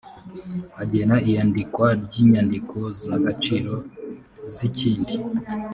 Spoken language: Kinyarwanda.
agena iyandikwa ry inyandiko z agaciro z ikindi